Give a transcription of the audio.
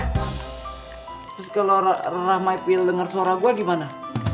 terus kalau rahmaipil denger suara gue gimana